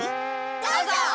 どうぞ。